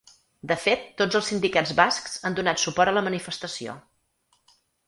De fet, tots els sindicats bascs han donat suport a la manifestació.